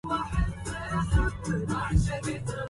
لئن حبسوا جسمي بجدران سجنهم